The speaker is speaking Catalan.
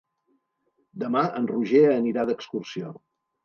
Demà en Roger anirà d'excursió.